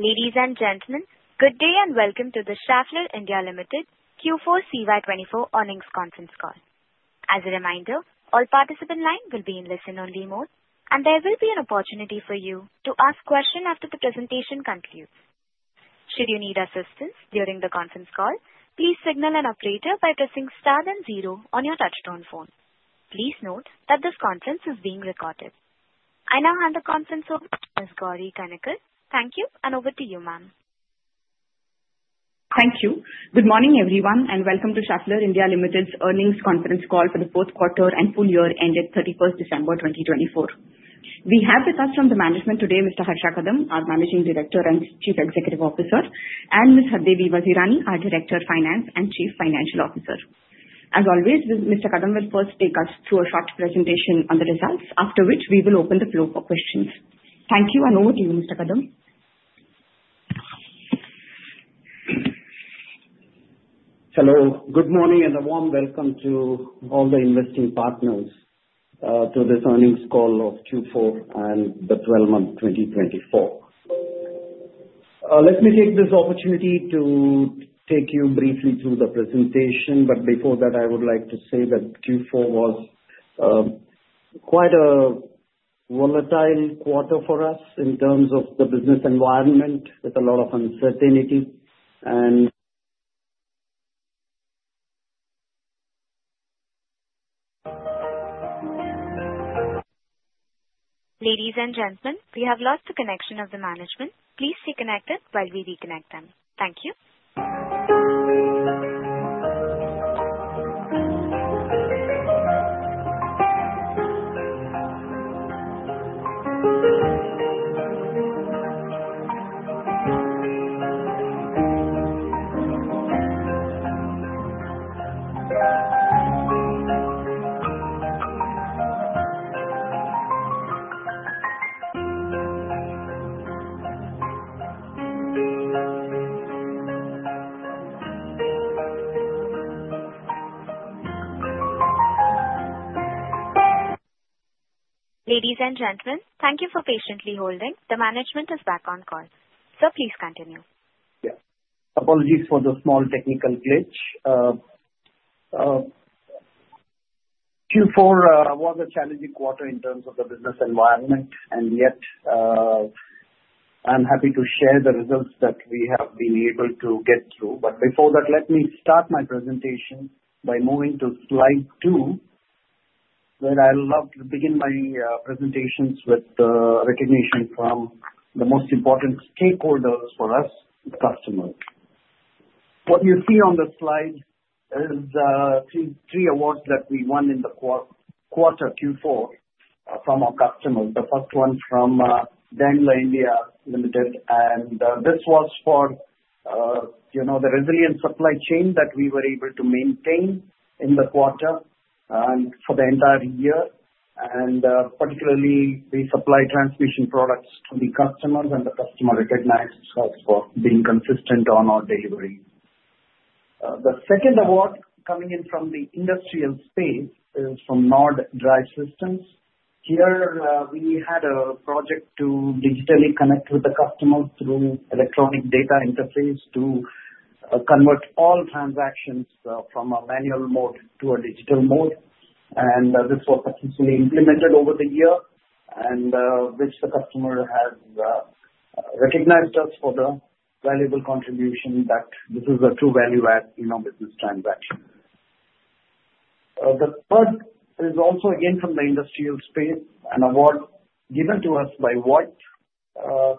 Ladies and gentlemen, good day, and welcome to the Schaeffler India, Klaus Rosenfeld Q4 CY24 Earnings Conference Call. As a reminder, all participants will be in listen-only mode, and there will be an opportunity for you to ask questions after the presentation concludes. Should you need assistance during the conference call, please signal an operator by pressing star then zero on your touch-tone phone. Please note that this conference is being recorded. I now hand the conference over to Ms. Gauri Kanikar. Thank you, and over to you, ma'am. Thank you. Good morning, everyone, and welcome to Schaeffler India, Klaus Rosenfeld's earnings conference call for the fourth quarter and full year ended 31st December 2024. We have with us from the management today, Mr. Harsha Kadam, our Managing Director and Chief Executive Officer, and Mr. Hardeep Singh, our Director of Finance and Chief Financial Officer. As always, Mr. Kadam will first take us through a short presentation on the results, after which we will open the floor for questions. Thank you, and over to you, Mr. Kadam. Hello, good morning, and a warm welcome to all the investing partners to this earnings call of Q4 and the 12 months 2024. Let me take this opportunity to take you briefly through the presentation, but before that, I would like to say that Q4 was quite a volatile quarter for us in terms of the business environment, with a lot of uncertainty and. Ladies and gentlemen, we have lost the connection of the management. Please stay connected while we reconnect them. Thank you. Ladies and gentlemen, thank you for patiently holding. The management is back on call, so please continue. Yeah, apologies for the small technical glitch. Q4 was a challenging quarter in terms of the business environment, and yet I'm happy to share the results that we have been able to get through. But before that, let me start my presentation by moving to slide two, where I love to begin my presentations with the recognition from the most important stakeholders for us, the customers. What you see on the slide is three awards that we won in the quarter Q4 from our customers. The first one from Bonfiglioli Transmissions Private Limited, and this was for the resilient supply chain that we were able to maintain in the quarter and for the entire year, and particularly we supply transmission products to the customers, and the customer recognized us for being consistent on our delivery. The second award coming in from the industrial space is from NORD Drivesystems. Here, we had a project to digitally connect with the customer through Electronic Data Interchange to convert all transactions from a manual mode to a digital mode, and this was successfully implemented over the year, and which the customer has recognized us for the valuable contribution that this is a true value-add in our business transaction. The third is also again from the industrial space, an award given to us by Voith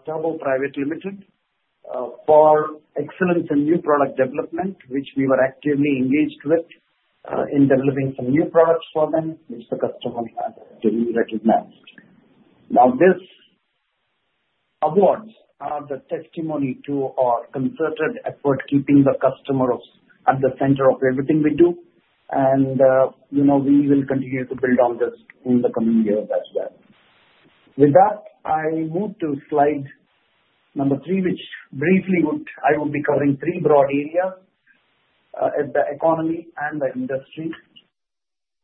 Turbo Private Limited for excellence in new product development, which we were actively engaged with in developing some new products for them, which the customer has actually recognized. Now, these awards are the testimony to our concerted effort, keeping the customer at the center of everything we do, and we will continue to build on this in the coming years as well. With that, I move to slide number three, which briefly I will be covering three broad areas: the economy and the industry.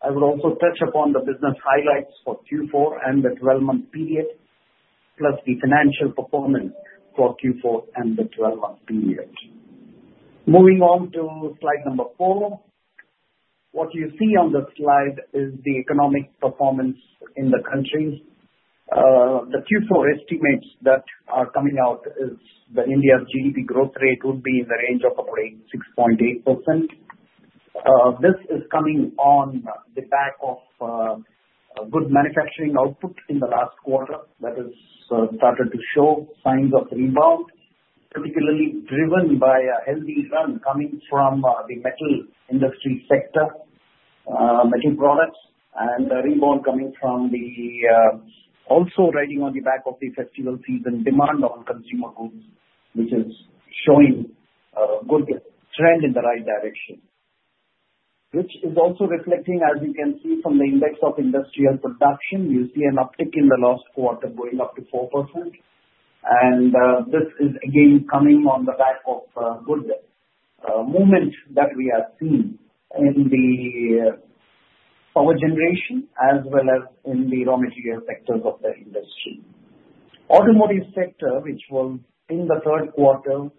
I will also touch upon the business highlights for Q4 and the 12-month period, plus the financial performance for Q4 and the 12-month period. Moving on to slide number four, what you see on the slide is the economic performance in the country. The Q4 estimates that are coming out is that India's GDP growth rate would be in the range of about 6.8%. This is coming on the back of good manufacturing output in the last quarter that has started to show signs of rebound, particularly driven by a healthy run coming from the metal industry sector, metal products, and rebound coming from the, also riding on the back of the festival season demand on consumer goods, which is showing a good trend in the right direction, which is also reflecting, as you can see from the index of industrial production. You see an uptick in the last quarter going up to 4%, and this is again coming on the back of good movement that we have seen in the power generation as well as in the raw material sectors of the industry. Automotive sector, which was in the third quarter,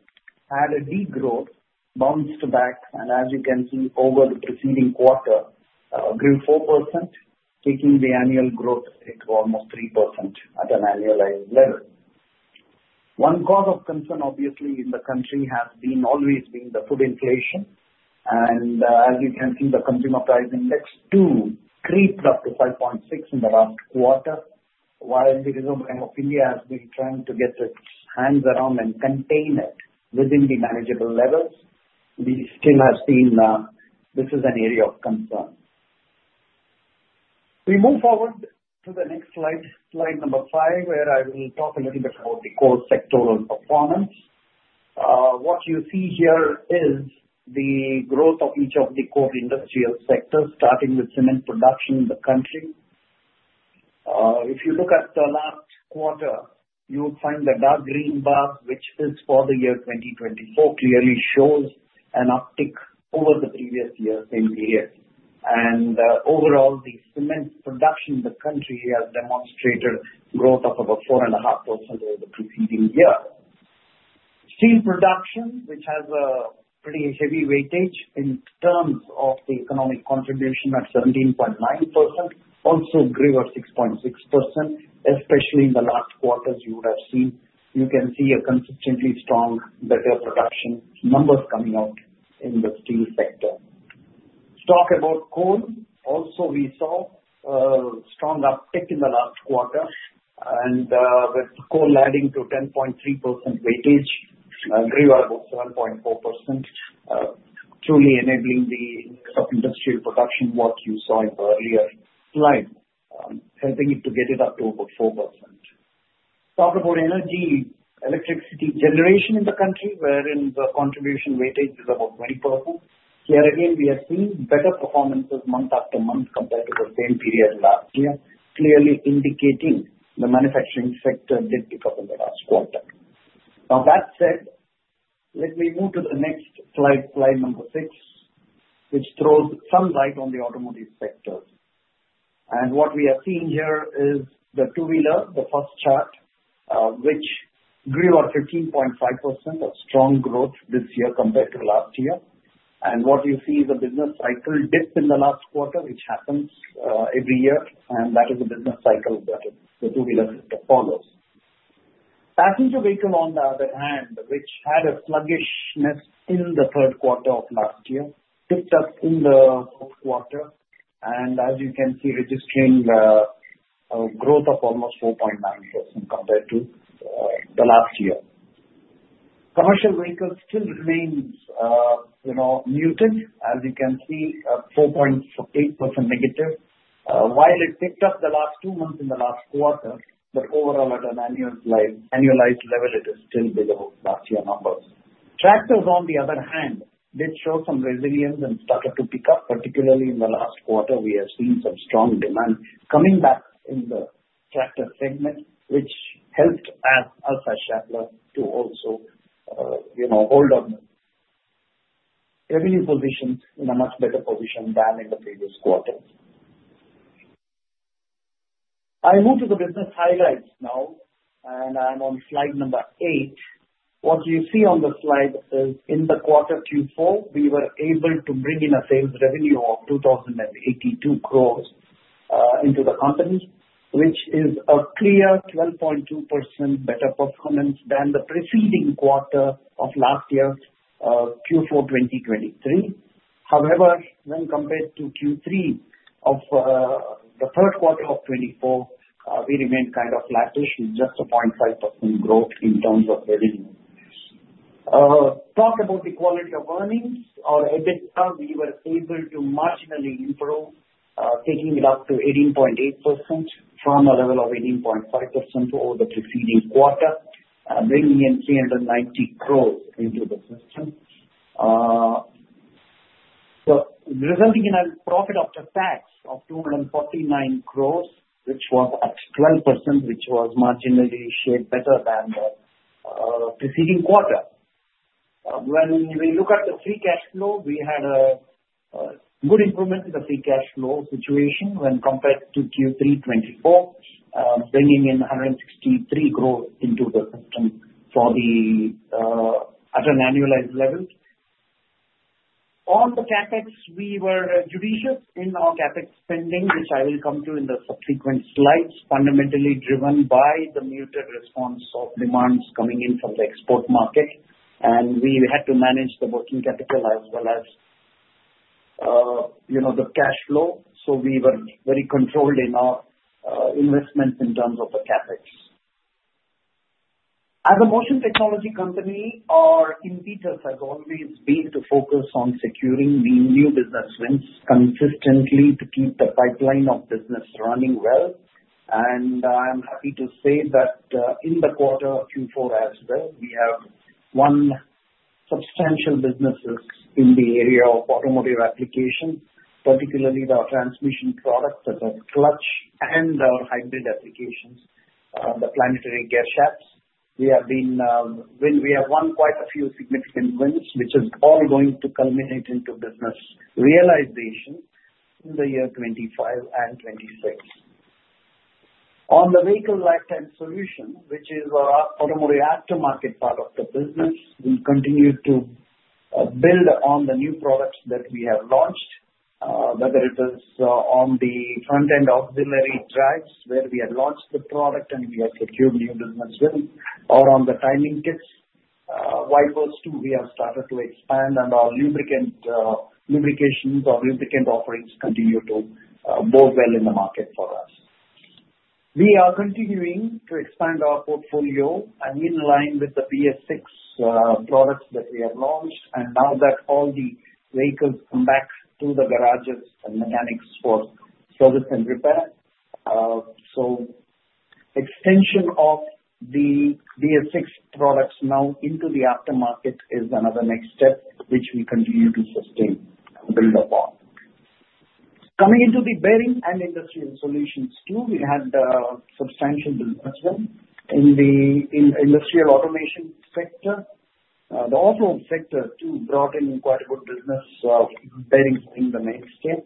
had a degrowth, bounced back, and as you can see over the preceding quarter, grew 4%, taking the annual growth to almost 3% at an annualized level. One cause of concern, obviously, in the country has always been the food inflation, and as you can see, the consumer price index too crept up to 5.6% in the last quarter, while the Reserve Bank of India has been trying to get its hands around and contain it within the manageable levels. We still have seen this is an area of concern. We move forward to the next slide, slide number five, where I will talk a little bit about the core sectoral performance. What you see here is the growth of each of the core industrial sectors, starting with cement production in the country. If you look at the last quarter, you would find the dark green bar, which is for the year 2024, clearly shows an uptick over the previous year's same period, and overall, the cement production in the country has demonstrated growth of about 4.5% over the preceding year. Steel production, which has a pretty heavy weightage in terms of the economic contribution at 17.9%, also grew at 6.6%, especially in the last quarter you would have seen. You can see a consistently strong, better production numbers coming out in the steel sector. Talk about coal, also we saw a strong uptick in the last quarter, and with coal adding to 10.3% weightage, grew at about 7.4%, truly enabling the industrial production, what you saw in the earlier slide, helping it to get it up to about 4%. Talk about energy, electricity generation in the country, wherein the contribution weightage is about 20%. Here again, we have seen better performances month after month compared to the same period last year, clearly indicating the manufacturing sector did pick up in the last quarter. Now, that said, let me move to the next slide, slide number six, which throws some light on the automotive sector, and what we are seeing here is the two-wheeler, the first chart, which grew at 15.5% of strong growth this year compared to last year, and what you see is a business cycle dip in the last quarter, which happens every year, and that is a business cycle that the two-wheeler sector follows. Passenger vehicle, on the other hand, which had a sluggishness in the third quarter of last year, picked up in the fourth quarter, and as you can see, registering a growth of almost 4.9% compared to the last year. Commercial vehicles still remain muted, as you can see, 4.8% negative, while it picked up the last two months in the last quarter, but overall, at an annualized level, it is still below last year's numbers. Tractors, on the other hand, did show some resilience and started to pick up, particularly in the last quarter. We have seen some strong demand coming back in the tractor segment, which helped us as Schaeffler to also hold our revenue positions in a much better position than in the previous quarter. I move to the business highlights now, and I'm on slide number eight. What you see on the slide is in the quarter Q4, we were able to bring in a sales revenue of 2,082 crores into the company, which is a clear 12.2% better performance than the preceding quarter of last year, Q4 2023. However, when compared to Q3 of the third quarter of 2024, we remained kind of flattish with just a 0.5% growth in terms of revenue. Talk about the quality of earnings. Our EBITDA, we were able to marginally improve, taking it up to 18.8% from a level of 18.5% over the preceding quarter, bringing in 390 crores into the system, resulting in a profit after tax of 249 crores, which was at 12%, which was marginally shared better than the preceding quarter. When we look at the free cash flow, we had a good improvement in the free cash flow situation when compared to Q3 2024, bringing in 163 crores into the system at an annualized level. On the CapEx, we were judicious in our CapEx spending, which I will come to in the subsequent slides, fundamentally driven by the muted response of demands coming in from the export market, and we had to manage the working capital as well as the cash flow, so we were very controlled in our investments in terms of the CapEx. As a motion technology company, our impetus has always been to focus on securing new business wins consistently to keep the pipeline of business running well, and I am happy to say that in the quarter Q4 as well, we have won substantial businesses in the area of automotive applications, particularly the transmission products that are clutch and our hybrid applications, the planetary gear shafts. We have won quite a few significant wins, which is all going to culminate into business realization in the year 2025 and 2026. On the Vehicle Lifetime Solutions, which is our automotive aftermarket part of the business, we continue to build on the new products that we have launched, whether it is on the front-end auxiliary drives where we have launched the product and we have secured new business with them, or on the timing kits. Wipers too, we have started to expand, and our lubricants or lubricant offerings continue to bode well in the market for us. We are continuing to expand our portfolio and in line with the BS6 products that we have launched, and now that all the vehicles come back to the garages and mechanics for service and repair, so extension of the BS6 products now into the aftermarket is another next step, which we continue to sustain and build upon. Coming into the bearing and industrial solutions too, we had substantial business growth in the industrial automation sector. The off-road sector too brought in quite a good business of bearings in the mainstay,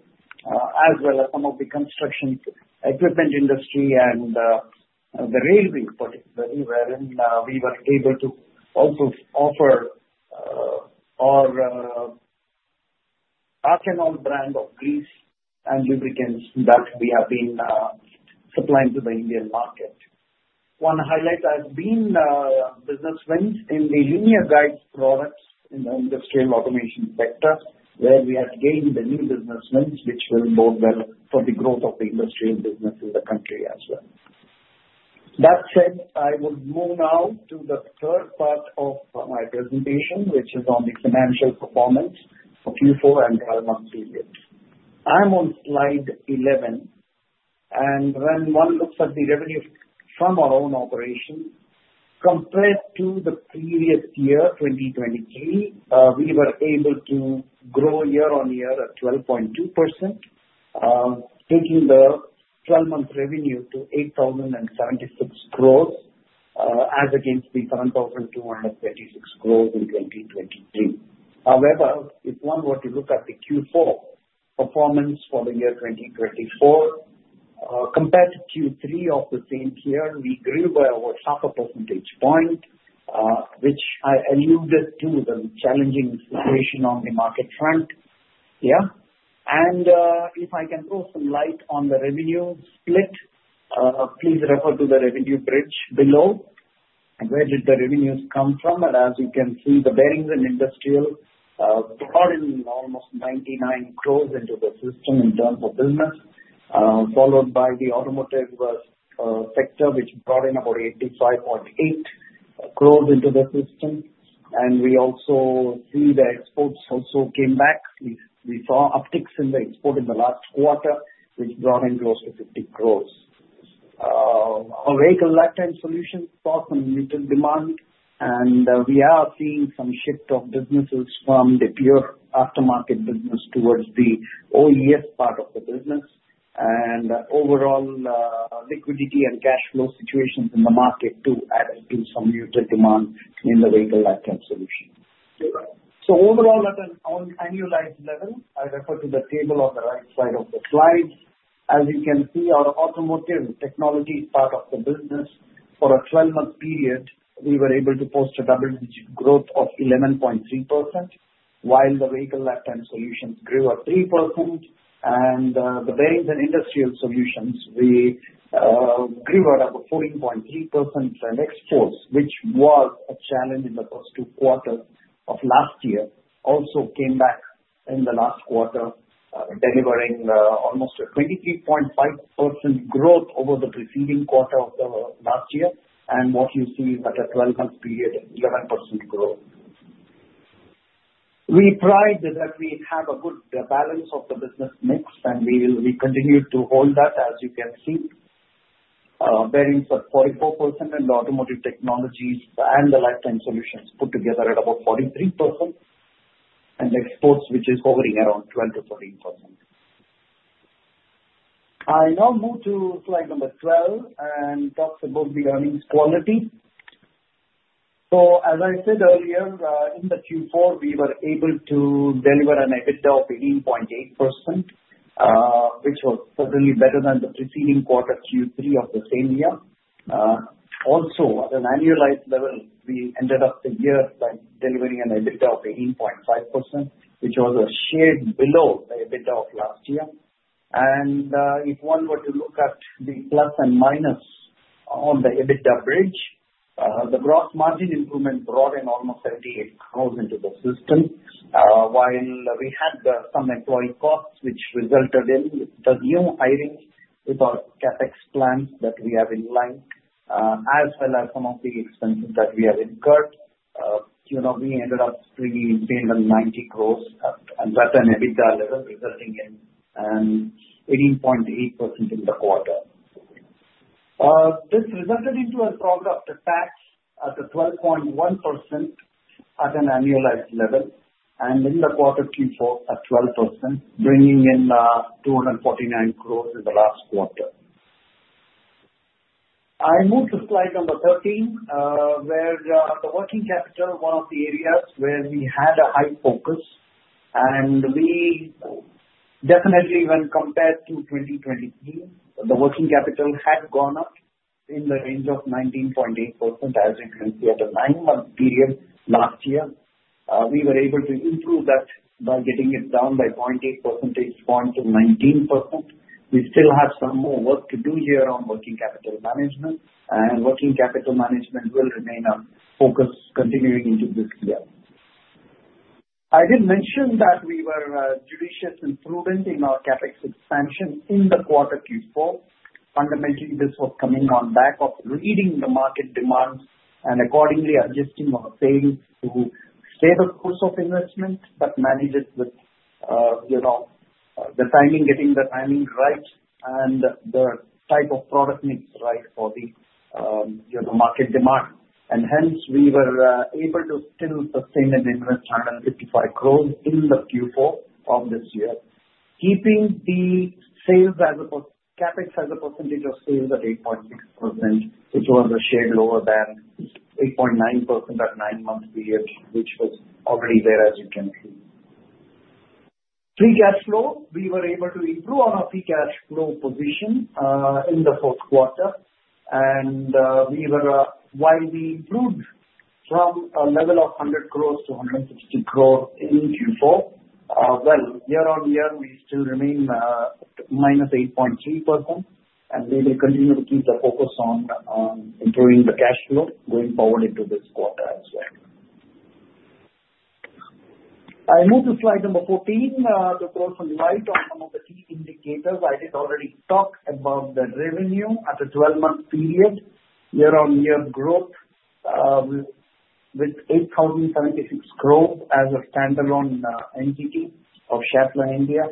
as well as some of the construction equipment industry and the railway, particularly, wherein we were able to also offer our Arcanol brand of grease and lubricants that we have been supplying to the Indian market. One highlight has been business wins in the linear guide products in the industrial automation sector, where we have gained the new business wins, which will bode well for the growth of the industrial business in the country as well. That said, I would move now to the third part of my presentation, which is on the financial performance for Q4 and 12-month period. I'm on slide 11, and when one looks at the revenue from our own operations, compared to the previous year, 2023, we were able to grow year on year at 12.2%, taking the 12-month revenue to 8,076 crores as against the 7,236 crores in 2023. However, if one were to look at the Q4 performance for the year 2024, compared to Q3 of the same year, we grew by about half a percentage point, which I alluded to the challenging situation on the market front here. And if I can throw some light on the revenue split, please refer to the revenue bridge below, where did the revenues come from, and as you can see, the bearings and industrial brought in almost 99 crores into the system in terms of business, followed by the automotive sector, which brought in about 85.8 crores into the system, and we also see the exports also came back. We saw upticks in the export in the last quarter, which brought in close to 50 crores. Our Vehicle Lifetime Solutions saw some muted demand, and we are seeing some shift of businesses from the pure aftermarket business towards the OES part of the business, and overall liquidity and cash flow situations in the market too added to some muted demand in the Vehicle Lifetime Solutions. So overall, at an annualized level, I refer to the table on the right side of the slide. As you can see, our automotive technology part of the business, for a 12-month period, we were able to post a double-digit growth of 11.3%, while the Vehicle Lifetime Solutions grew at 3%, and the Bearings and Industrial Solutions grew at about 14.3% for exports, which was a challenge in the first two quarters of last year. Also came back in the last quarter, delivering almost a 23.5% growth over the preceding quarter of last year, and what you see is at a 12-month period, 11% growth. We pride that we have a good balance of the business mix, and we continue to hold that, as you can see. Bearings at 44%, and the Automotive Technologies and the lifetime solutions put together at about 43%, and exports, which is hovering around 12%-13%. I now move to slide number 12 and talk about the earnings quality. So as I said earlier, in the Q4, we were able to deliver an EBITDA of 18.8%, which was certainly better than the preceding quarter Q3 of the same year. Also, at an annualized level, we ended up the year by delivering an EBITDA of 18.5%, which was a shade below the EBITDA of last year. If one were to look at the plus and minus on the EBITDA bridge, the gross margin improvement brought in almost 78 crores into the system, while we had some employee costs, which resulted in the new hiring with our CapEx plans that we have in line, as well as some of the expenses that we have incurred. We ended up spending 390 crores at an EBITDA level, resulting in 18.8% in the quarter. This resulted into a drop after tax at 12.1% at an annualized level, and in the quarter Q4, at 12%, bringing in 249 crores in the last quarter. I move to slide number 13, where the working capital, one of the areas where we had a high focus, and we definitely, when compared to 2023, the working capital had gone up in the range of 19.8%, as you can see, at a nine-month period last year. We were able to improve that by getting it down by 0.8 percentage points to 19%. We still have some more work to do here on working capital management, and working capital management will remain a focus continuing into this year. I did mention that we were judicious and prudent in our CapEx expansion in the quarter Q4. Fundamentally, this was coming on back of reading the market demands and accordingly adjusting our sales to stay the course of investment, but manage it with the timing, getting the timing right, and the type of product mix right for the market demand. And hence, we were able to still sustain an investment of 155 crores in the Q4 of this year, keeping CapEx as a percentage of sales at 8.6%, which was a shade lower than 8.9% at a nine-month period, which was already there, as you can see. Free cash flow, we were able to improve on our free cash flow position in the fourth quarter, and while we improved from a level of 100 crores to 160 crores in Q4, well, year on year, we still remain at minus 8.3%, and we will continue to keep the focus on improving the cash flow going forward into this quarter as well. I move to slide number 14, to throw some light on some of the key indicators. I did already talk about the revenue at a 12-month period, year-on-year growth with 8,076 crores as a standalone entity of Schaeffler India.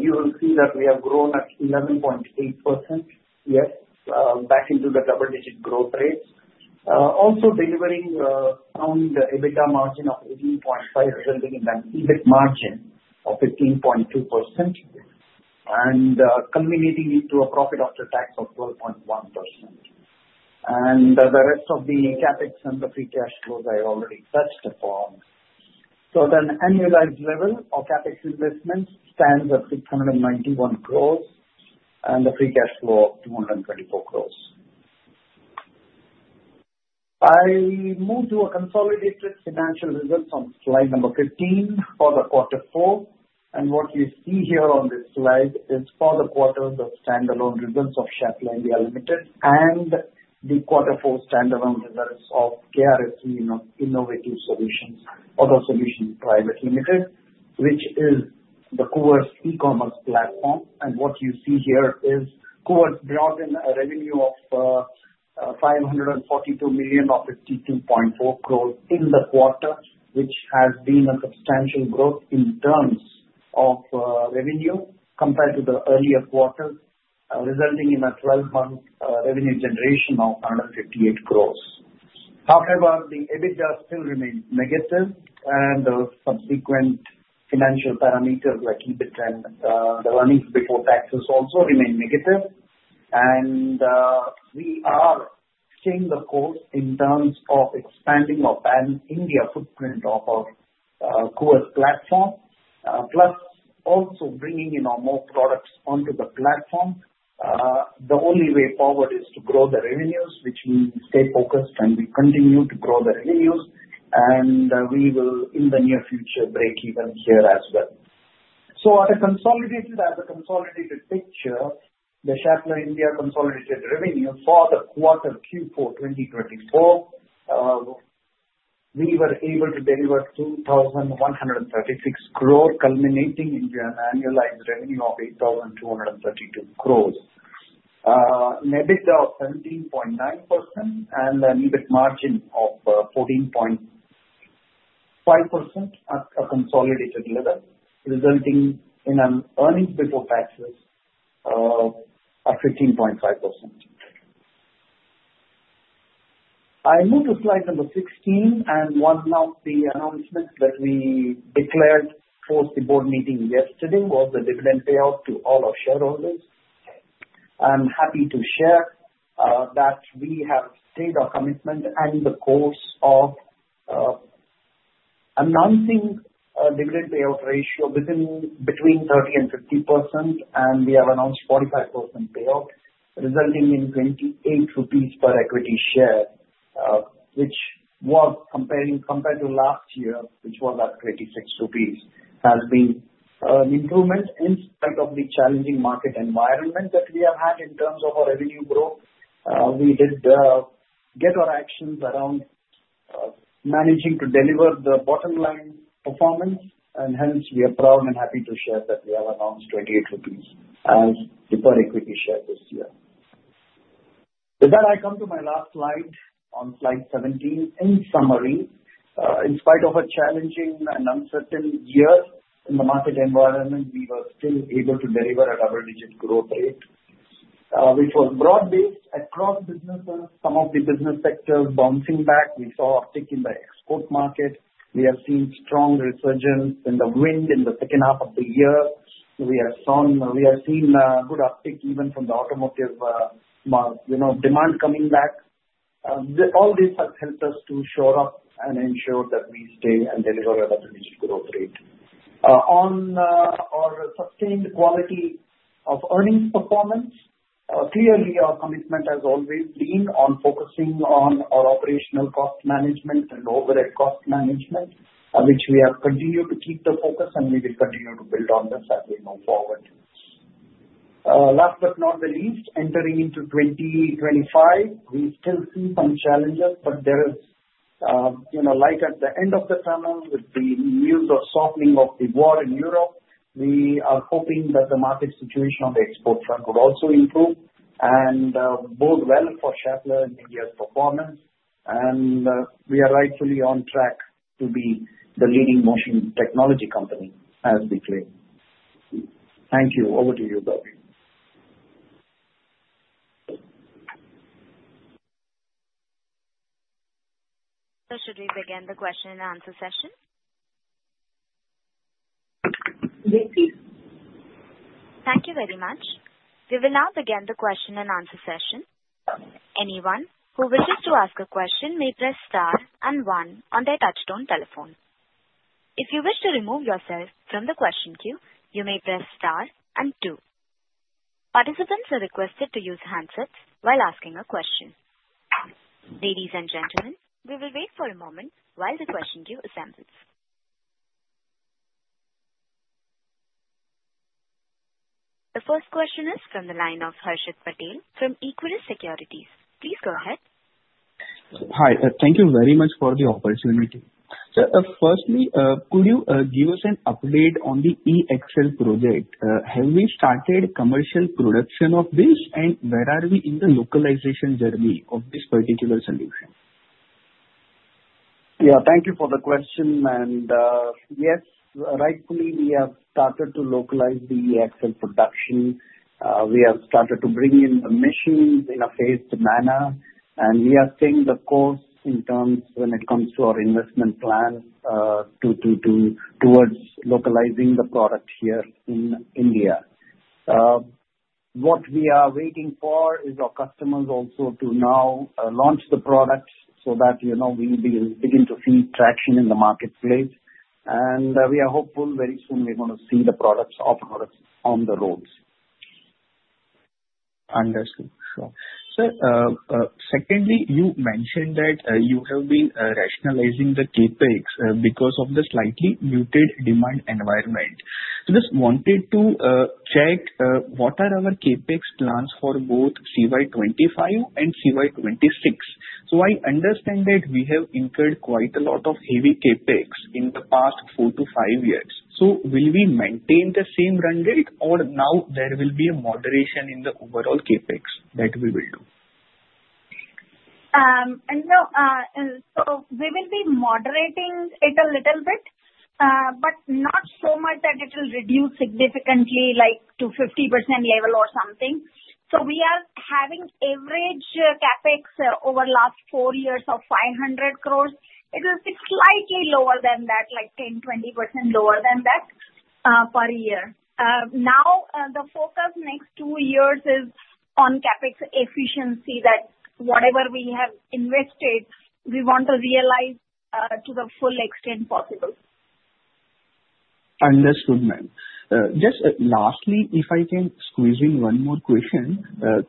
You will see that we have grown at 11.8% year back into the double-digit growth rates, also delivering a sound EBITDA margin of 18.5%, resulting in an EBIT margin of 15.2%, and culminating into a profit after tax of 12.1%, and the rest of the CapEx and the free cash flows I already touched upon, so at an annualized level, our CapEx investment stands at 691 crores and the free cash flow of 224 crores. I move to consolidated financial results on slide number 15 for the quarter four, and what you see here on this slide is for the quarters of standalone results of Schaeffler India Limited and the quarter four standalone results of KRSV Innovative Auto Solutions Private Limited, which is the Koovers e-commerce platform. What you see here is Koovers brought in a revenue of 542 million or 52.4 crores in the quarter, which has been a substantial growth in terms of revenue compared to the earlier quarter, resulting in a 12-month revenue generation of 158 crores. However, the EBITDA still remained negative, and the subsequent financial parameters like EBIT and the earnings before taxes also remained negative, and we are staying the course in terms of expanding our pan-India footprint of our Koovers platform, plus also bringing in our more products onto the platform. The only way forward is to grow the revenues, which means stay focused and continue to grow the revenues, and we will, in the near future, break even here as well. At a consolidated picture, the Schaeffler India consolidated revenue for the quarter Q4 2024, we were able to deliver 2,136 crores, culminating into an annualized revenue of 8,232 crores. An EBITDA of 17.9% and an EBIT margin of 14.5% at a consolidated level, resulting in an earnings before taxes of 15.5%. I move to slide number 16, and one of the announcements that we declared for the board meeting yesterday was the dividend payout to all our shareholders. I'm happy to share that we have stayed our commitment and the course of announcing a dividend payout ratio between 30 and 50%, and we have announced 45% payout, resulting in 28 rupees per equity share, which was, compared to last year, which was at 26 rupees, has been an improvement in spite of the challenging market environment that we have had in terms of our revenue growth. We did get our actions around managing to deliver the bottom-line performance, and hence, we are proud and happy to share that we have announced 28 rupees as the per equity share this year. With that, I come to my last slide on slide 17. In summary, in spite of a challenging and uncertain year in the market environment, we were still able to deliver a double-digit growth rate, which was broad-based across businesses. Some of the business sectors bouncing back. We saw uptick in the export market. We have seen strong resurgence in the wind in the second half of the year. We have seen good uptick even from the automotive demand coming back. All this has helped us to shore up and ensure that we stay and deliver a double-digit growth rate. On our sustained quality of earnings performance, clearly, our commitment has always been on focusing on our operational cost management and overhead cost management, which we have continued to keep the focus, and we will continue to build on this as we move forward. Last but not the least, entering into 2025, we still see some challenges, but there is light at the end of the tunnel with the news of softening of the war in Europe. We are hoping that the market situation on the export front would also improve, and both well for Schaeffler India's performance, and we are rightfully on track to be the leading motion technology company, as declared. Thank you. Over to you, Gauri. So should we begin the question and answer session? Yes, please. Thank you very much. We will now begin the question and answer session. Anyone who wishes to ask a question may press star and one on their touch-tone telephone. If you wish to remove yourself from the question queue, you may press star and two. Participants are requested to use handsets while asking a question. Ladies and gentlemen, we will wait for a moment while the question queue assembles. The first question is from the line of Harshit Patel from Equirus Securities. Please go ahead. Hi. Thank you very much for the opportunity. So firstly, could you give us an update on the E-Axle project? Have we started commercial production of this, and where are we in the localization journey of this particular solution? Yeah. Thank you for the question. And yes, rightfully, we have started to localize the E-Axle production. We have started to bring in the machines in a phased manner, and we are staying the course in terms when it comes to our investment plan towards localizing the product here in India. What we are waiting for is our customers also to now launch the product so that we begin to see traction in the marketplace, and we are hopeful very soon we're going to see the products of our products on the roads. Understood. Sure. So secondly, you mentioned that you have been rationalizing the CapEx because of the slightly muted demand environment. So, just wanted to check what are our CapEx plans for both CY25 and CY26. So, I understand that we have incurred quite a lot of heavy CapEx in the past four to five years. So, will we maintain the same run rate, or now there will be a moderation in the overall CapEx that we will do? So, we will be moderating it a little bit, but not so much that it will reduce significantly like to 50% level or something. So, we are having average CapEx over the last four years of 500 crores. It will be slightly lower than that, like 10%-20% lower than that per year. Now, the focus next two years is on CapEx efficiency that whatever we have invested, we want to realize to the full extent possible. Understood, ma'am. Just lastly, if I can squeeze in one more question,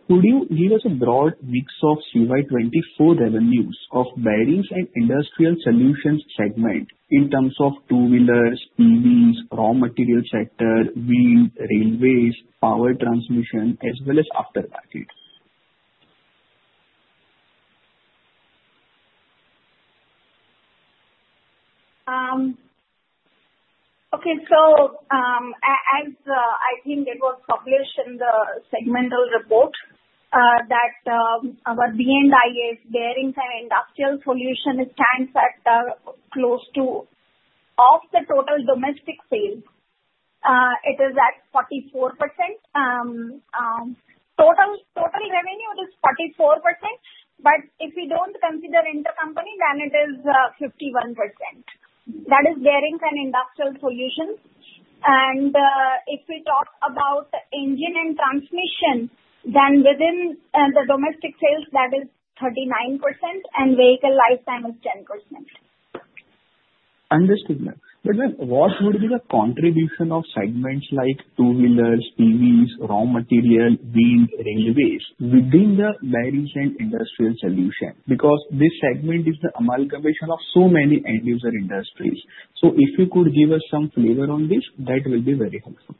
could you give us a broad mix of CY24 revenues of Bearings and Industrial Solutions segment in terms of two-wheelers, EVs, raw material sector, wheel, railways, power transmission, as well as aftermarket? Okay. So as I think it was published in the segmental report that our B&IS Bearings and Industrial Solutions stands at close to 44% of the total domestic sales, it is at 44%. Total revenue is 44%, but if we don't consider intercompany, then it is 51%. That is Bearings and Industrial Solutions. And if we talk about engine and transmission, then within the domestic sales, that is 39%, and vehicle lifetime is 10%. Understood, ma'am. But ma'am, what would be the contribution of segments like two-wheelers, EVs, raw material, wheel, railways within the Bearings and Industrial Solutions? Because this segment is the amalgamation of so many end-user industries. So if you could give us some flavor on this, that will be very helpful.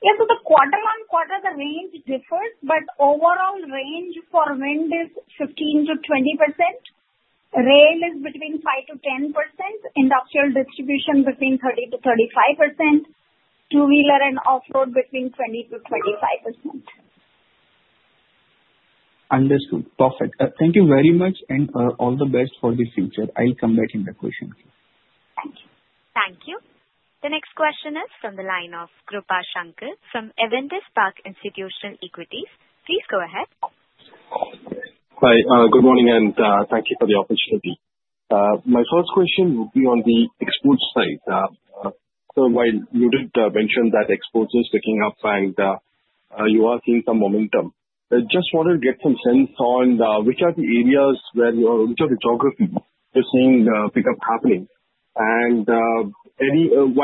Yeah. So the quarter-on-quarter range differs, but overall range for wind is 15%-20%. Rail is between 5%-10%. Industrial distribution between 30%-35%. Two-wheeler and off-road between 20%-25%. Understood. Perfect. Thank you very much, and all the best for the future. I'll come back in the question queue. Thank you. Thank you. The next question is from the line of Grupal Shankar from Avendus Spark Institutional Equities. Please go ahead. Hi. Good morning, and thank you for the opportunity. My first question would be on the export side. So while you did mention that exports are picking up and you are seeing some momentum, I just wanted to get some sense on which are the geographies you're seeing pickup happening. And while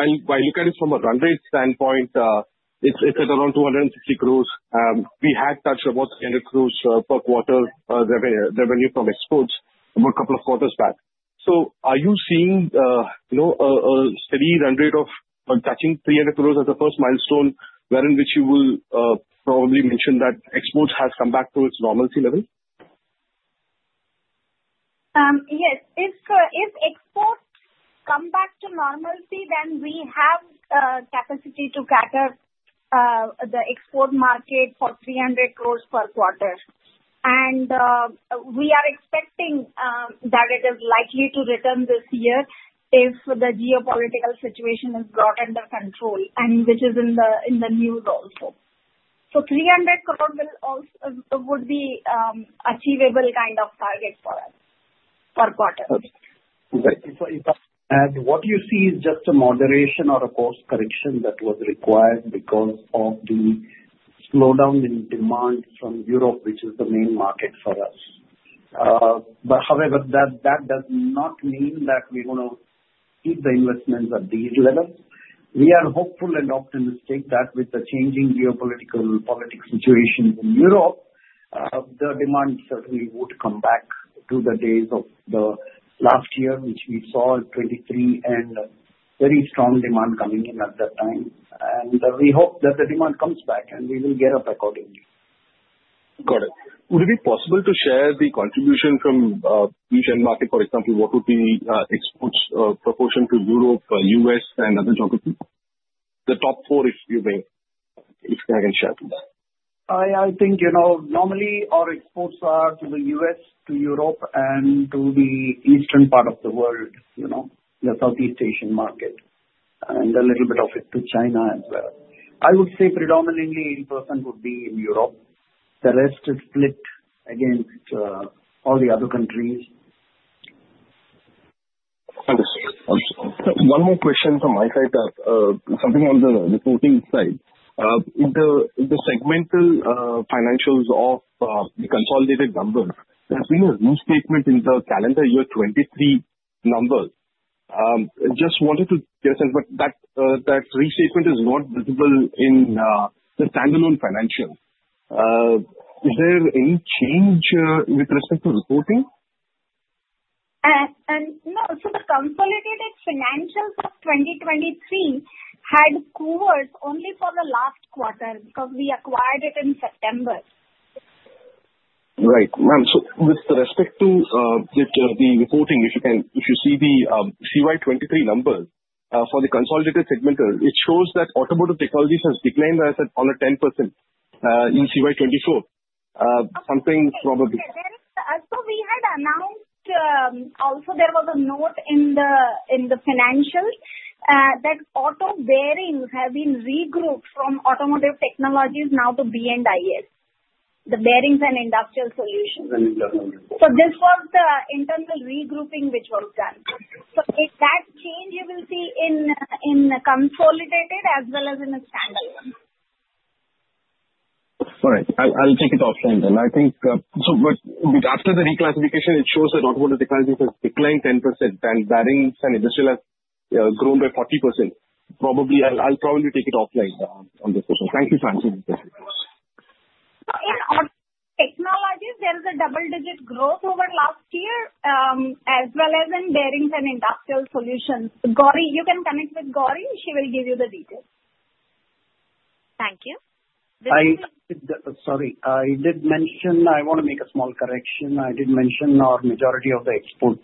I look at it from a run rate standpoint, it's at around 260 crores. We had touched about 300 crores per quarter revenue from exports a couple of quarters back. So are you seeing a steady run rate of touching 300 crores as a first milestone, wherein which you will probably mention that exports has come back to its normalcy level? Yes. If exports come back to normalcy, then we have capacity to catch up the export market for 300 crores per quarter. And we are expecting that it is likely to return this year if the geopolitical situation is brought under control, which is in the news also. So 300 crores would be an achievable kind of target for us per quarter. And what you see is just a moderation or a course correction that was required because of the slowdown in demand from Europe, which is the main market for us. But however, that does not mean that we're going to keep the investments at these levels. We are hopeful and optimistic that with the changing geopolitical politics situation in Europe, the demand certainly would come back to the days of last year, which we saw at 2023 and very strong demand coming in at that time. And we hope that the demand comes back and we will get up accordingly. Got it. Would it be possible to share the contribution from the Asian market, for example, what would be exports' proportion to Europe, U.S., and other geographies? The top four, if you may, if I can share with you. I think normally our exports are to the U.S., to Europe, and to the eastern part of the world, the Southeast Asian market, and a little bit of it to China as well. I would say predominantly 80% would be in Europe. The rest is split against all the other countries. Understood. Understood. One more question from my side, something on the reporting side. The segmental financials of the consolidated numbers, there has been a restatement in the calendar year 2023 numbers. I just wanted to get a sense, but that restatement is not visible in the standalone financials. Is there any change with respect to reporting? No. So the consolidated financials of 2023 had Koovers only for the last quarter because we acquired it in September. Right. Ma'am, so with respect to the reporting, if you see the CY23 numbers for the consolidated segmental, it shows that Automotive Technologies has declined on a 10% in CY24. Something probably. So we had announced also there was a note in the financials that auto bearings have been regrouped from Automotive Technologies now to B&IS, the Bearings and Industrial Solutions. So this was the internal regrouping which was done. So that change you will see in consolidated as well as in the standalone. All right. I'll take it offline. And I think so after the reclassification, it shows that Automotive Technologies has declined 10%, and bearings and industrial has grown by 40%. I'll probably take it offline on this question. Thank you for answering the question. Yeah. Technologies, there is a double-digit growth over the last year as well as in Bearings and Industrial Solutions. You can connect with Gauri. She will give you the details. Thank you. Sorry. I did mention I want to make a small correction. I did mention our majority of the exports,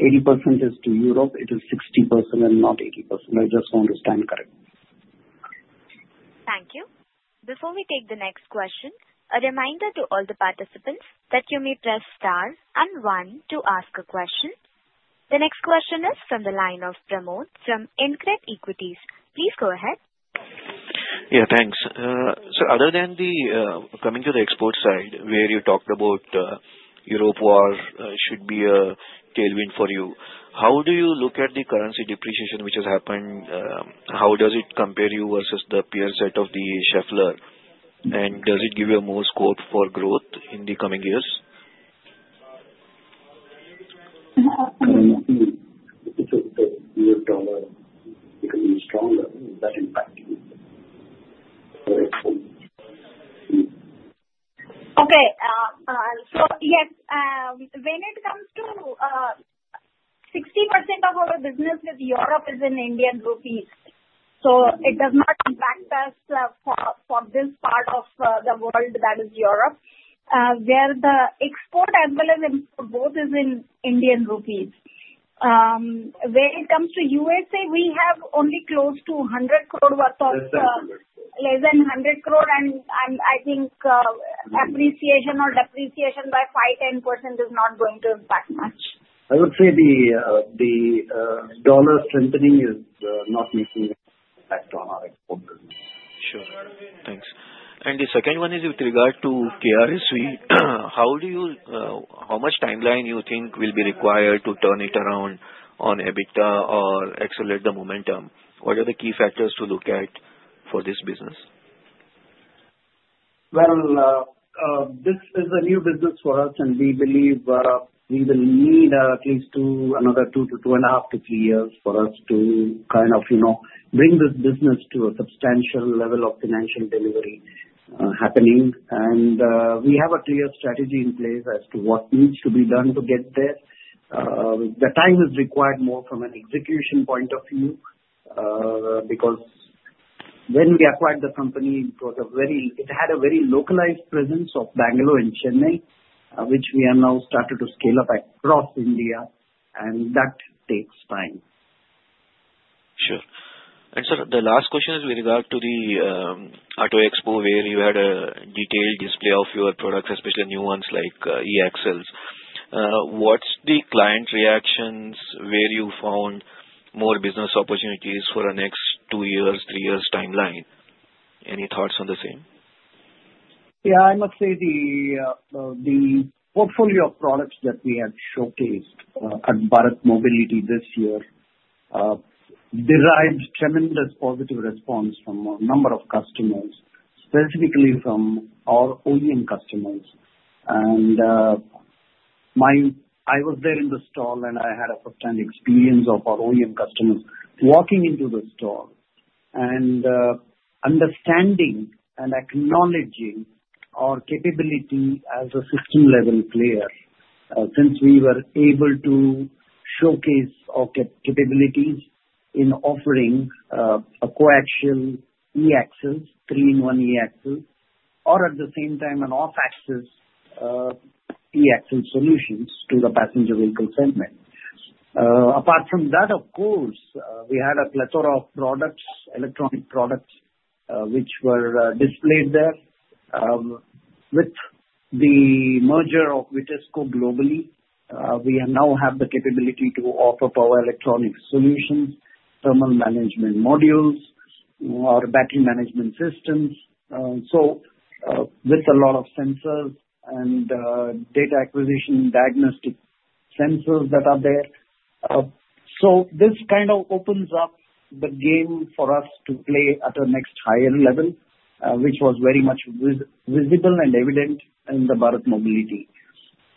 80% is to Europe. It is 60% and not 80%. I just want to stand correct. Thank you. Before we take the next question, a reminder to all the participants that you may press star and one to ask a question. The next question is from the line of Pramod Amthe from InCred Equities. Please go ahead. Yeah. Thanks. So other than coming to the export side, where you talked about Europe should be a tailwind for you, how do you look at the currency depreciation which has happened? How does it compare you versus the peer set of the Schaeffler? And does it give you a more scope for growth in the coming years? It's a good dollar. It could be stronger. That impacts you. Okay. So yes, when it comes to 60% of our business with Europe is in Indian rupees. So it does not impact us for this part of the world that is Europe, where the export as well as both is in Indian rupees. When it comes to USA, we have only close to 100 crore worth of less than 100 crore, and I think appreciation or depreciation by 5%-10% is not going to impact much. I would say the dollar strengthening is not making an impact on our export business. Sure. Thanks. And the second one is with regard to KRSV. How much timeline do you think will be required to turn it around on EBITDA or accelerate the momentum? What are the key factors to look at for this business? This is a new business for us, and we believe we will need at least another two to two and a half to three years for us to kind of bring this business to a substantial level of financial delivery happening. We have a clear strategy in place as to what needs to be done to get there. The time is required more from an execution point of view because when we acquired the company, it had a very localized presence of Bangalore and Chennai, which we have now started to scale up across India, and that takes time. Sure. The last question is with regard to the Auto Expo, where you had a detailed display of your products, especially new ones like E-Axles. What's the client reactions where you found more business opportunities for the next two years, three years timeline? Any thoughts on the same? Yeah. I must say the portfolio of products that we had showcased at Bharat Mobility this year derived tremendous positive response from a number of customers, specifically from our OEM customers, and I was there in the stall, and I had a firsthand experience of our OEM customers walking into the stall and understanding and acknowledging our capability as a system-level player since we were able to showcase our capabilities in offering a coaxial E-axle, three-in-one E-axle, or at the same time an off-axis E-axle solutions to the passenger vehicle segment. Apart from that, of course, we had a plethora of products, electronic products, which were displayed there. With the merger of Vitesco globally, we now have the capability to offer power electronic solutions, thermal management modules, or battery management systems, so with a lot of sensors and data acquisition diagnostic sensors that are there. So this kind of opens up the game for us to play at a next higher level, which was very much visible and evident in the Bharat Mobility.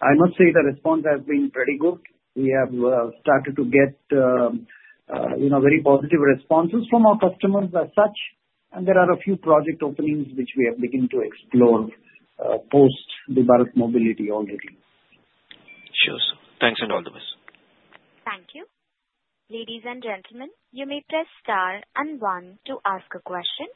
I must say the response has been pretty good. We have started to get very positive responses from our customers as such, and there are a few project openings which we have begun to explore post the Bharat Mobility already. Sure. Thanks and all the best. Thank you. Ladies and gentlemen, you may press star and one to ask a question.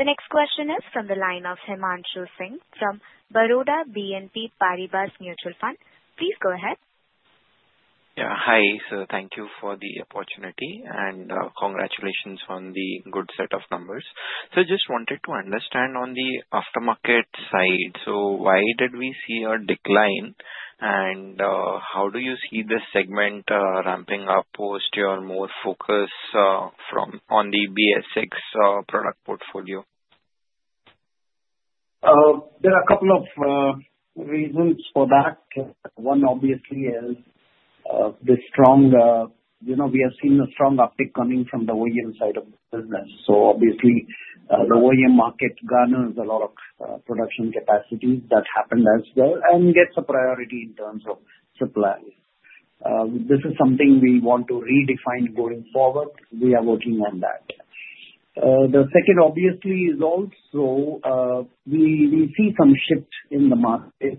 The next question is from the line of Himanshu Singh from Baroda BNP Paribas Mutual Fund. Please go ahead. Yeah. Hi. So thank you for the opportunity and congratulations on the good set of numbers. So I just wanted to understand on the aftermarket side, so why did we see a decline? How do you see the segment ramping up post your more focus on the BS6 product portfolio? There are a couple of reasons for that. One, obviously, is the strong uptick we have seen coming from the OEM side of the business. So obviously, the OEM market garners a lot of production capacity. That happened as well and gets a priority in terms of supply. This is something we want to redefine going forward. We are working on that. The second, obviously, is also we see some shift in the market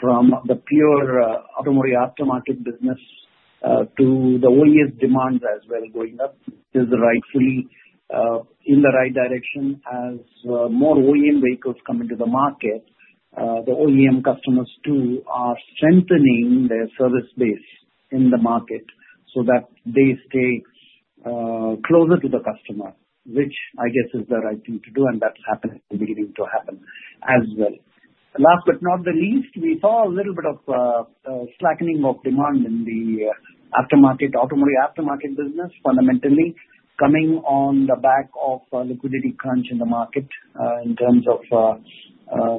from the pure automotive aftermarket business to the OEM demands as well going up. This is rightfully in the right direction. As more OEM vehicles come into the market, the OEM customers too are strengthening their service base in the market so that they stay closer to the customer, which I guess is the right thing to do, and that's happening and beginning to happen as well. Last but not the least, we saw a little bit of slackening of demand in the automotive aftermarket business, fundamentally coming on the back of a liquidity crunch in the market in terms of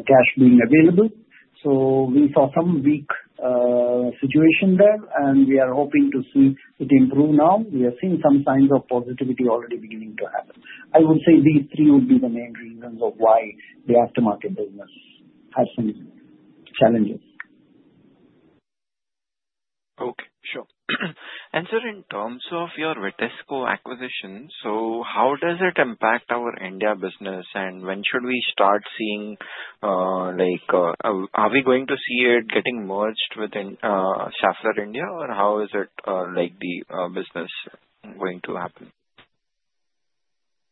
cash being available. So we saw some weak situation there, and we are hoping to see it improve now. We have seen some signs of positivity already beginning to happen. I would say these three would be the main reasons of why the aftermarket business has some challenges. Okay. Sure. And so in terms of your Vitesco acquisition, so how does it impact our India business? When should we start seeing? Are we going to see it getting merged within Schaeffler India, or how is the business going to happen?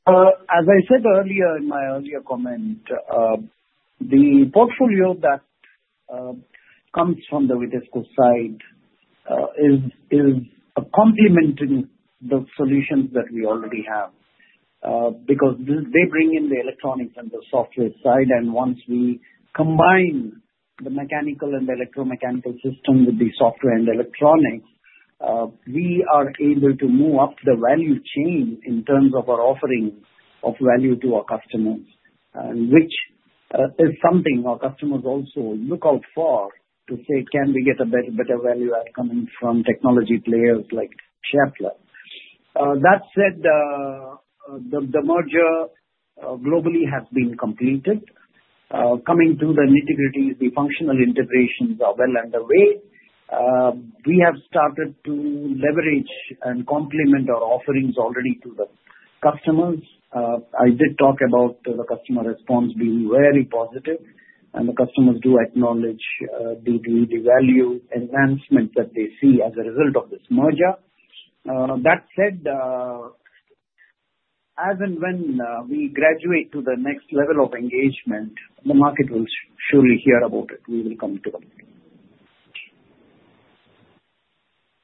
As I said earlier in my earlier comment, the portfolio that comes from the Vitesco side is complementing the solutions that we already have because they bring in the electronics and the software side. And once we combine the mechanical and electromechanical system with the software and electronics, we are able to move up the value chain in terms of our offering of value to our customers, which is something our customers also look out for to say, "Can we get a better value outcome from technology players like Schaeffler?" That said, the merger globally has been completed. Coming to the nitty-gritty, the functional integrations are well underway. We have started to leverage and complement our offerings already to the customers. I did talk about the customer response being very positive, and the customers do acknowledge the value enhancement that they see as a result of this merger. That said, as and when we graduate to the next level of engagement, the market will surely hear about it. We will come to them.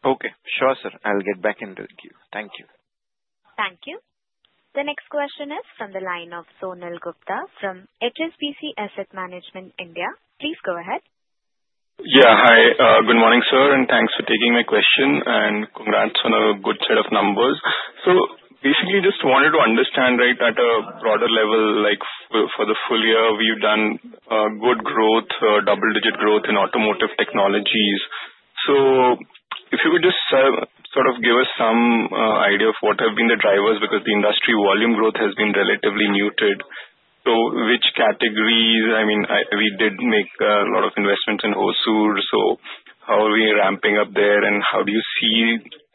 Okay. Sure, sir. I'll get back into the queue. Thank you. Thank you. The next question is from the line of Sonal Gupta from HSBC Asset Management, India. Please go ahead. Yeah. Hi. Good morning, sir, and thanks for taking my question and congrats on a good set of numbers. So basically, just wanted to understand, right, at a broader level, for the full year, we've done good growth, double-digit growth in Automotive Technologies. So, if you could just sort of give us some idea of what have been the drivers because the industry volume growth has been relatively muted, so which categories? I mean, we did make a lot of investments in Hosur, so how are we ramping up there, and how do you see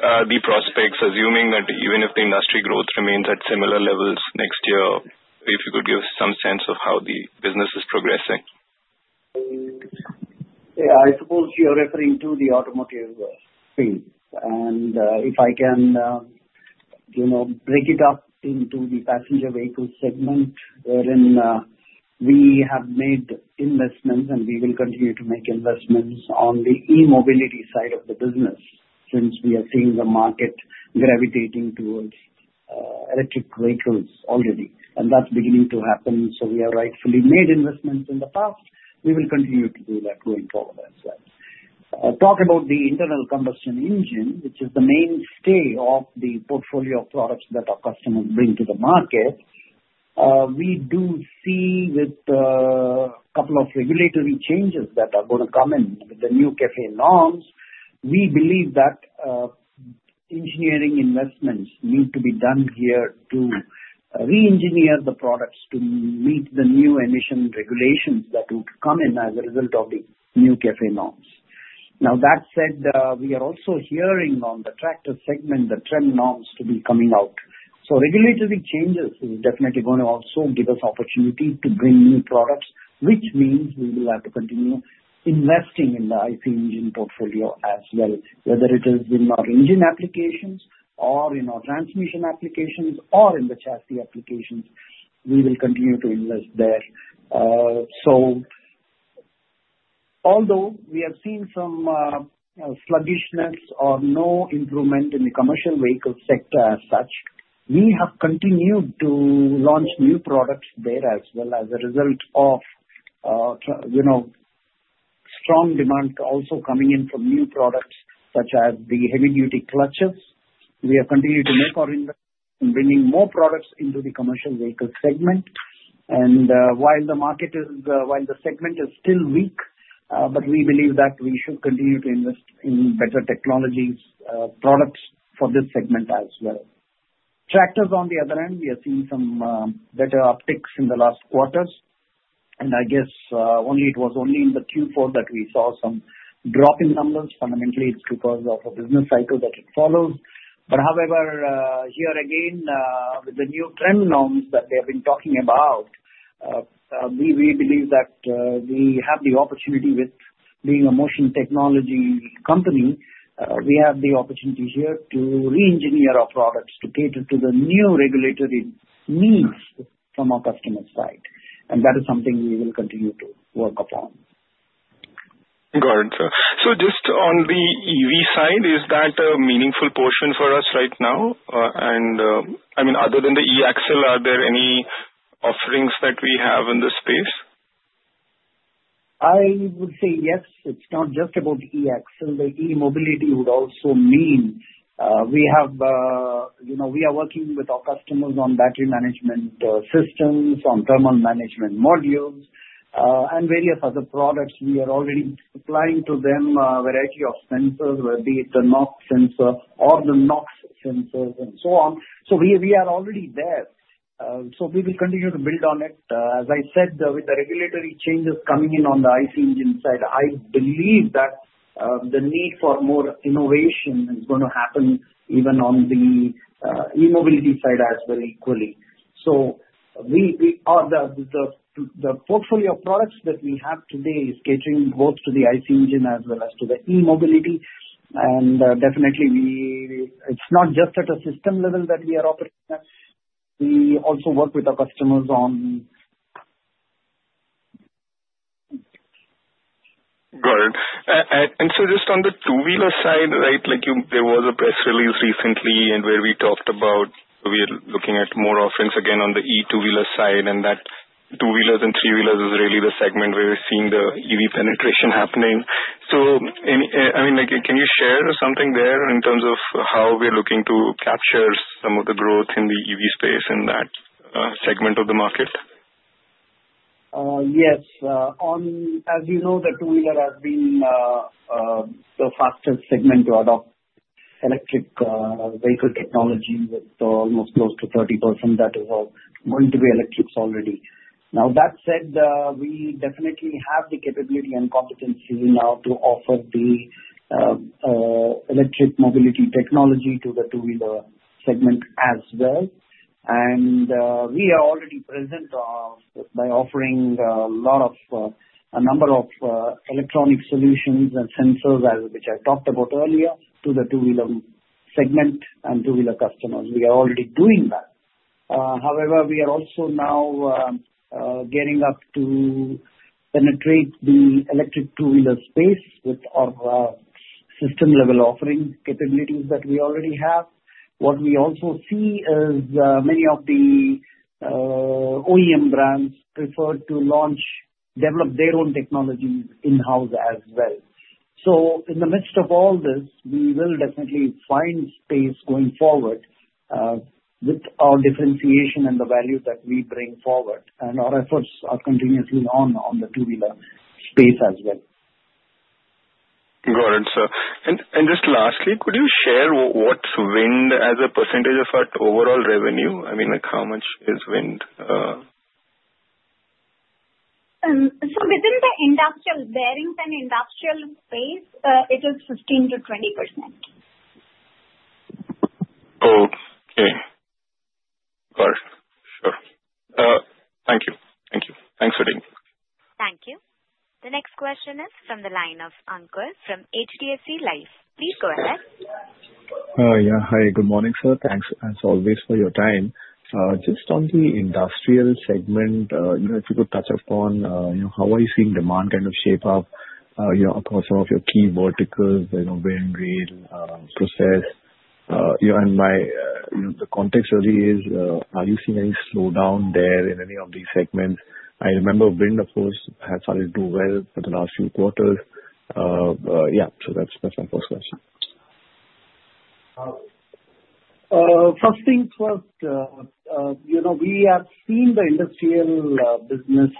the prospects, assuming that even if the industry growth remains at similar levels next year, if you could give some sense of how the business is progressing? Yeah. I suppose you're referring to the automotive space, and if I can break it up into the passenger vehicle segment, wherein we have made investments, and we will continue to make investments on the e-mobility side of the business since we are seeing the market gravitating towards electric vehicles already, and that's beginning to happen, so we have rightfully made investments in the past. We will continue to do that going forward as well. Talk about the internal combustion engine, which is the mainstay of the portfolio of products that our customers bring to the market. We do see with a couple of regulatory changes that are going to come in with the new CAFE norms, we believe that engineering investments need to be done here to re-engineer the products to meet the new emission regulations that will come in as a result of the new CAFE norms. Now, that said, we are also hearing on the tractor segment the TREM norms to be coming out. So regulatory changes is definitely going to also give us opportunity to bring new products, which means we will have to continue investing in the IC engine portfolio as well, whether it is in our engine applications or in our transmission applications or in the chassis applications. We will continue to invest there. So although we have seen some sluggishness or no improvement in the commercial vehicle sector as such, we have continued to launch new products there as well as a result of strong demand also coming in from new products such as the heavy-duty clutches. We have continued to make our investment in bringing more products into the commercial vehicle segment. And while the segment is still weak, but we believe that we should continue to invest in better technologies products for this segment as well. Tractors, on the other hand, we have seen some better upticks in the last quarters. And I guess it was only in the Q4 that we saw some drop in numbers. Fundamentally, it's because of a business cycle that it follows. However, here again, with the new TREM norms that they have been talking about, we believe that we have the opportunity with being a motion technology company. We have the opportunity here to re-engineer our products to cater to the new regulatory needs from our customer side. And that is something we will continue to work upon. Got it. So just on the EV side, is that a meaningful portion for us right now? And I mean, other than the E-Axle, are there any offerings that we have in this space? I would say yes. It's not just about E-Axle. The e-mobility would also mean we are working with our customers on battery management systems, on thermal management modules, and various other products. We are already supplying to them a variety of sensors, whether it's the NOx sensor or the NOx sensors and so on. So we are already there. So we will continue to build on it. As I said, with the regulatory changes coming in on the IC engine side, I believe that the need for more innovation is going to happen even on the e-mobility side as well equally. So the portfolio of products that we have today is catering both to the IC engine as well as to the e-mobility. And definitely, it's not just at a system level that we are operating at. We also work with our customers on. Got it. And so just on the two-wheeler side, right, there was a press release recently where we talked about we are looking at more offerings again on the e-two-wheeler side, and that two-wheelers and three-wheelers is really the segment where we're seeing the EV penetration happening. So I mean, can you share something there in terms of how we're looking to capture some of the growth in the EV space in that segment of the market? Yes. As you know, the two-wheeler has been the fastest segment to adopt electric vehicle technology. It's almost close to 30% that is going to be electrics already. Now, that said, we definitely have the capability and competency now to offer the electric mobility technology to the two-wheeler segment as well. And we are already present by offering a lot of a number of electronic solutions and sensors, which I talked about earlier, to the two-wheeler segment and two-wheeler customers. We are already doing that. However, we are also now gearing up to penetrate the electric two-wheeler space with our system-level offering capabilities that we already have. What we also see is many of the OEM brands prefer to launch, develop their own technology in-house as well. So in the midst of all this, we will definitely find space going forward with our differentiation and the value that we bring forward. Our efforts are continuously on the two-wheeler space as well. Got it, sir. And just lastly, could you share what's wind as a percentage of our overall revenue? I mean, how much is wind? So within the industrial bearings and industrial space, it is 15%-20%. Okay. Got it. Sure. Thank you. Thank you. Thanks for taking the call. Thank you. The next question is from the line of Ankur from HDFC Life. Please go ahead. Yeah. Hi. Good morning, sir. Thanks, as always, for your time. Just on the industrial segment, if you could touch upon how are you seeing demand kind of shape up across some of your key verticals, bearings, rail, process? And the context really is, are you seeing any slowdown there in any of these segments? I remember wind, of course, has started to do well for the last few quarters. Yeah. So that's my first question. First things first, we have seen the industrial business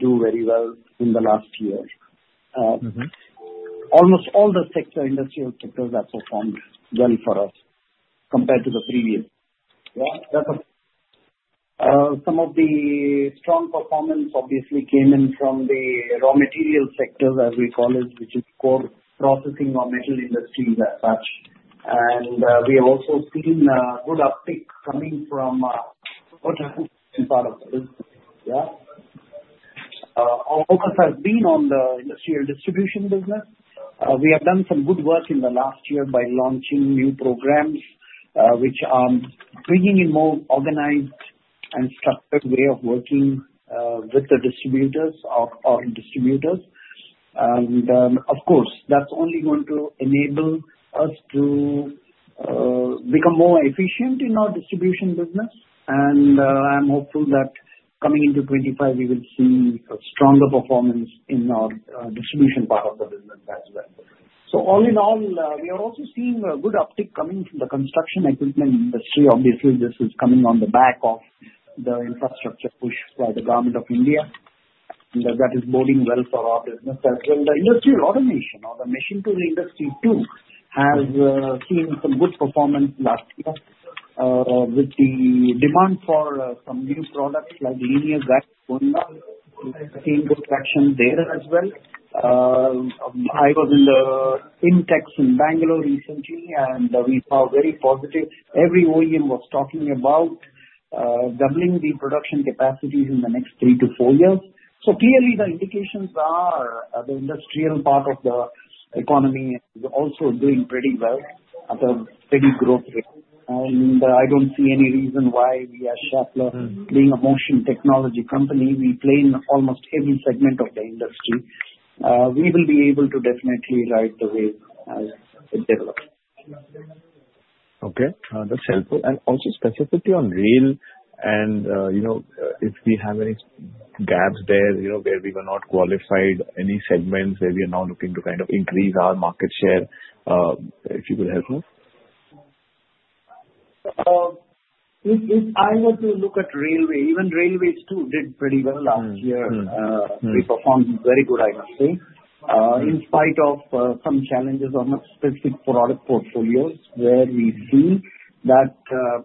do very well in the last year. Almost all the sector, industrial sectors, have performed well for us compared to the previous. Yeah? That's okay. Some of the strong performance obviously came in from the raw material sector, as we call it, which is ore processing or metal industries as such. And we have also seen a good uptick coming from automotive part of the business. Yeah? Our focus has been on the industrial distribution business. We have done some good work in the last year by launching new programs which are bringing in more organized and structured way of working with the distributors. And of course, that's only going to enable us to become more efficient in our distribution business, and I'm hopeful that coming into 2025, we will see stronger performance in our distribution part of the business as well, so all in all, we are also seeing a good uptick coming from the construction equipment industry. Obviously, this is coming on the back of the infrastructure push by the government of India, and that is boding well for our business as well. The industrial automation or the machine tool industry too has seen some good performance last year with the demand for some new products like linear axes going on. We've seen good traction there as well. I was in the IMTEX in Bangalore recently, and we saw very positive. Every OEM was talking about doubling the production capacities in the next three to four years. So clearly, the indications are the industrial part of the economy is also doing pretty well at a steady growth rate. And I don't see any reason why we as Schaeffler, being a motion technology company, we play in almost every segment of the industry. We will be able to definitely ride the wave as it develops. Okay. That's helpful. And also specifically on rail, and if we have any gaps there where we were not qualified, any segments where we are now looking to kind of increase our market share, if you could help us? If I were to look at railway, even railways too did pretty well last year. We performed very good, I must say, in spite of some challenges on specific product portfolios where we see that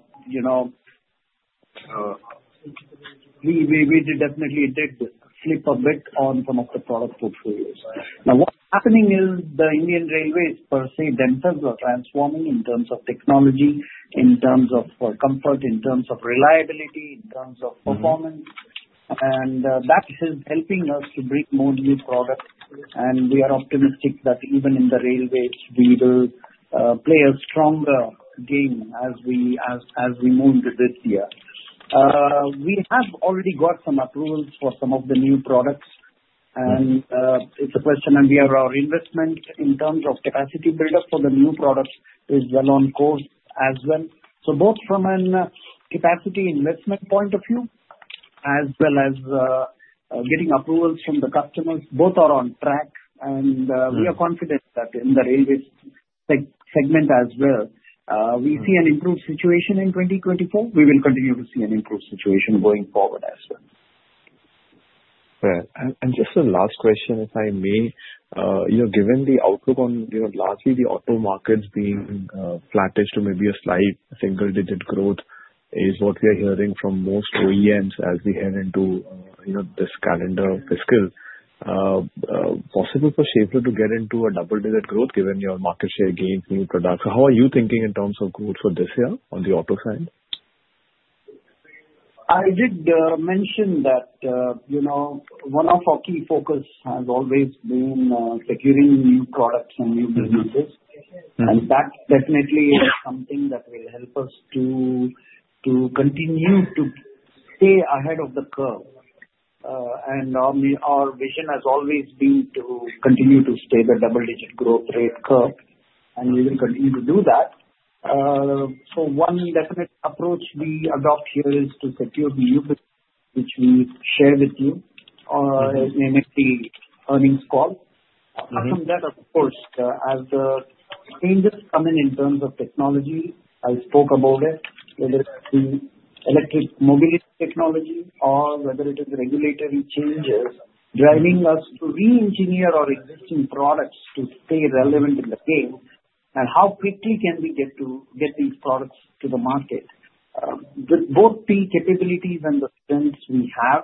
we definitely did slip a bit on some of the product portfolios. Now, what's happening is the Indian Railways, per se, themselves are transforming in terms of technology, in terms of comfort, in terms of reliability, in terms of performance. And that is helping us to bring more new products. And we are optimistic that even in the railways, we will play a stronger game as we move into this year. We have already got some approvals for some of the new products. And it's a question of where our investment in terms of capacity buildup for the new products is well on course as well. So both from a capacity investment point of view as well as getting approvals from the customers, both are on track. We are confident that in the railways segment as well, we see an improved situation in 2024. We will continue to see an improved situation going forward as well. Just a last question, if I may. Given the outlook on largely the auto markets being flattish to maybe a slight single-digit growth is what we are hearing from most OEMs as we head into this calendar fiscal. Possible for Schaeffler to get into a double-digit growth given market share gains, new products? How are you thinking in terms of growth for this year on the auto side? I did mention that one of our key focuses has always been securing new products and new businesses. That definitely is something that will help us to continue to stay ahead of the curve. Our vision has always been to continue to stay the double-digit growth rate curve. And we will continue to do that. So one definite approach we adopt here is to secure the new business, which we share with you in the earnings call. Apart from that, of course, as the changes come in in terms of technology, I spoke about it, whether it's the electric mobility technology or whether it is regulatory changes driving us to re-engineer our existing products to stay relevant in the game. And how quickly can we get these products to the market? With both the capabilities and the strengths we have,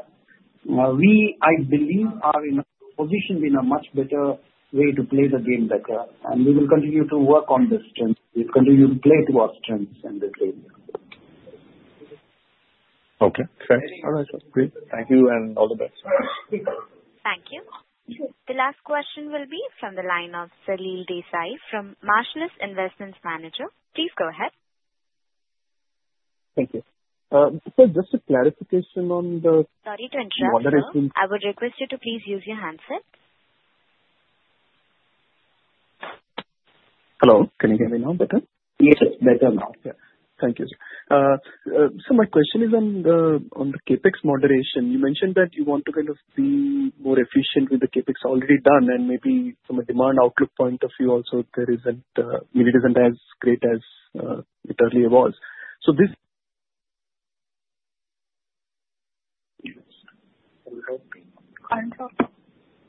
we, I believe, are in a position in a much better way to play the game better. And we will continue to work on this strength. We'll continue to play to our strengths in this area. Okay. All right. Great. Thank you and all the best. Thank you. The last question will be from the line of Salil Desai from Marcellus Investment Managers. Please go ahead. Thank you. So just a clarification on the. Sorry to interrupt. I would request you to please use your handset. Hello. Can you hear me now better? Yes, better now. Yeah. Thank you, sir. So my question is on the CapEx moderation. You mentioned that you want to kind of be more efficient with the CapEx already done, and maybe from a demand outlook point of view also, it isn't as great as it earlier was. So this.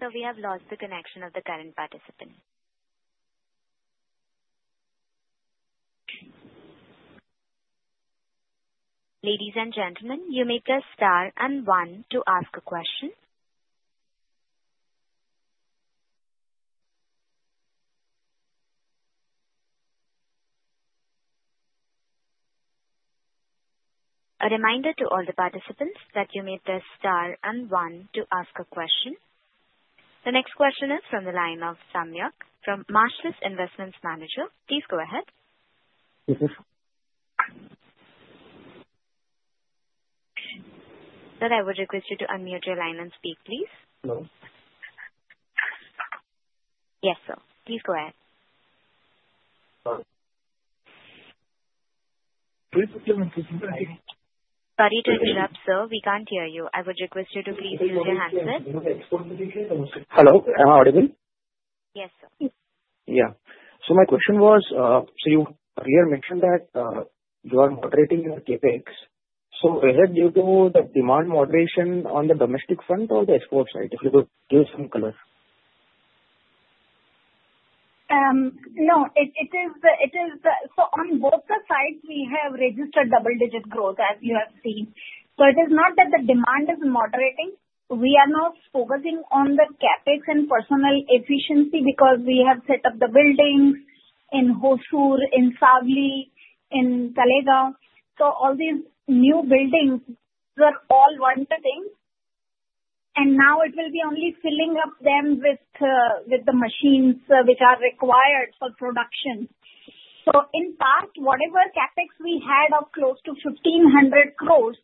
So we have lost the connection of the current participant. Ladies and gentlemen, you may press star and one to ask a question. A reminder to all the participants that you may press star and one to ask a question. The next question is from the line of Samyak from Marcellus Investment Managers. Please go ahead. Sir, I would request you to unmute your line and speak, please. Yes, sir. Please go ahead. Sorry to interrupt, sir. We can't hear you. I would request you to please use your handset. Hello. Am I audible? Yes, sir. Yeah. So my question was, so you mentioned that you are moderating your CapEx. So is it due to the demand moderation on the domestic front or the export side? If you could give some color. No, it is the so on both the sides, we have registered double-digit growth, as you have seen. But it is not that the demand is moderating. We are now focusing on the CapEx and personnel efficiency because we have set up the buildings in Hosur, in Savli, in Talegaon. So all these new buildings were all wanting. Now it will be only filling up them with the machines which are required for production. So in past, whatever CapEx we had of close to 1,500 crores,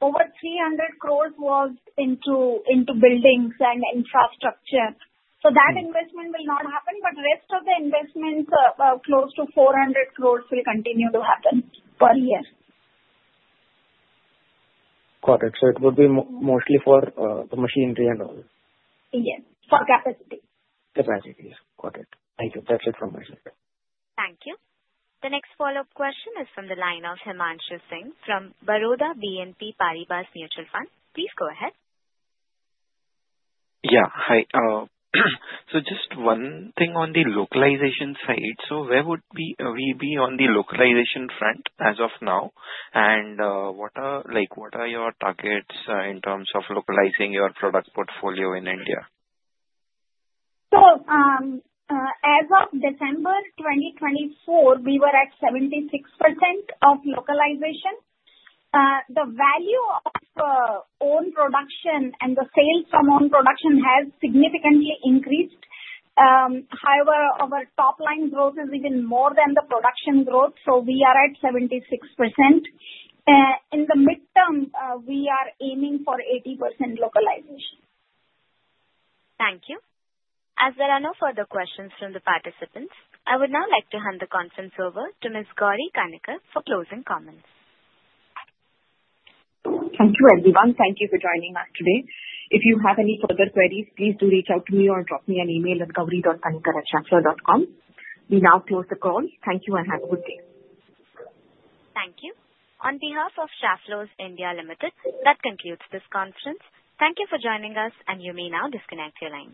over 300 crores was into buildings and infrastructure. So that investment will not happen, but the rest of the investment, close to 400 crores, will continue to happen per year. Got it. So it will be mostly for the machinery and all? Yes. For capacity. Capacity. Yeah. Got it. Thank you. That's it from my side. Thank you. The next follow-up question is from the line of Himanshu Singh from Baroda BNP Paribas Mutual Fund. Please go ahead. Yeah. Hi. So just one thing on the localization side. So where would we be on the localization front as of now? And what are your targets in terms of localizing your product portfolio in India? So as of December 2024, we were at 76% of localization. The value of own production and the sales from own production has significantly increased. However, our top-line growth is even more than the production growth. So we are at 76%. In the midterm, we are aiming for 80% localization. Thank you. As there are no further questions from the participants, I would now like to hand the conference over to Ms. Gauri Kanikar for closing comments. Thank you, everyone. Thank you for joining us today. If you have any further queries, please do reach out to me or drop me an email at gauri.kanikar@schaeffler.com. We now close the call. Thank you and have a good day. Thank you. On behalf of Schaeffler India Limited, that concludes this conference. Thank you for joining us, and you may now disconnect your line.